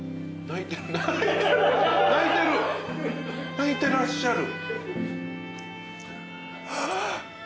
泣いてらっしゃる。